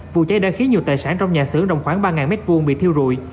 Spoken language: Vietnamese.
vụ cháy đã khiến nhiều tài sản trong nhà xưởng rộng khoảng ba m hai bị thiêu rụi